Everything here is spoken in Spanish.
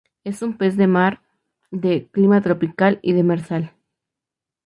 Es un pez de mar de, clima tropical y demersal.